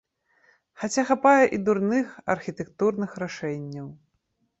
Хаця хапае і дурных архітэктурных рашэнняў.